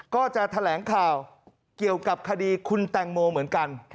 ก็จะแถลงข่าวเกี่ยวกับคดีคุณแตงโมเหมือนกัน